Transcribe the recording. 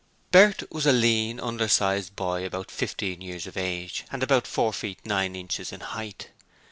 Bert was a lean, undersized boy about fifteen years of age and about four feet nine inches in height.